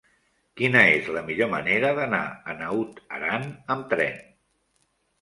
Quina és la millor manera d'anar a Naut Aran amb tren?